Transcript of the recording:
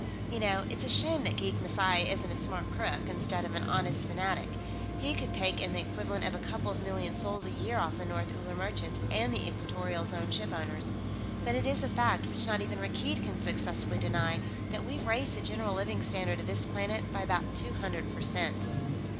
You know, it's a shame that geek messiah isn't a smart crook, instead of an honest fanatic; he could take in the equivalent of a couple of million sols a year off the North Uller merchants and the Equatorial Zone shipowners. But it is a fact, which not even Rakkeed can successfully deny, that we've raised the general living standard of this planet by about two hundred percent."